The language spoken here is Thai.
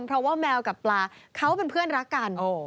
เพราะว่าแมวกับปลาเขาเป็นเพื่อนรักกัน